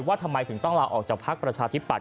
ว่าทำไมถึงต้องลาออกจากภักดิ์ประชาธิปัต